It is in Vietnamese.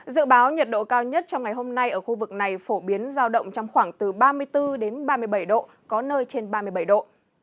dự báo nhiệt độ cao nhất trong ngày hôm nay ở khu vực này phổ biến giao động trong khoảng từ ba mươi bốn đến ba mươi bảy độ có nơi trên ba mươi bảy độ